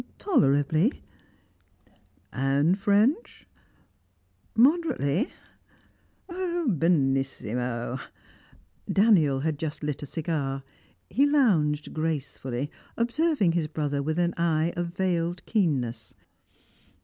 "Tolerably." "And French?" "Moderately." "Benissimo!" Daniel had just lit a cigar; he lounged gracefully, observing his brother with an eye of veiled keenness.